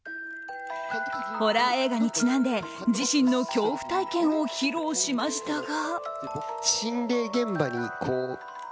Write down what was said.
ホラー映画にちなんで自身の恐怖体験を披露しましたが。